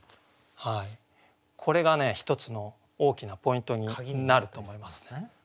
これが１つの大きなポイントになると思いますね。